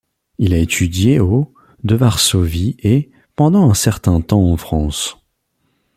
Il a étudié au de Varsovie et, pendant un certain temps en France.